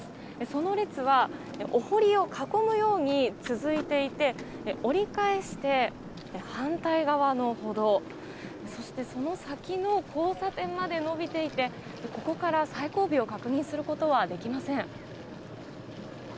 その列はお濠を囲むように続いていて折り返して、反対側の歩道そして、その先の交差点まで伸びていてここから最後尾を確認することはできません。